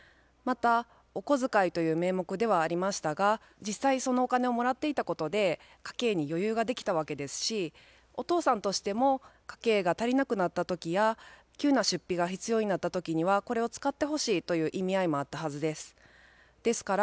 またお小遣いという名目ではありましたが実際そのお金をもらっていたことで家計に余裕ができたわけですしお父さんとしても家計が足りなくなった時や急な出費が必要になった時にはこれを使ってほしいという意味合いもあったはずです。